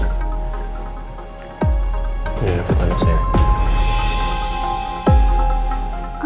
ini dapat anak saya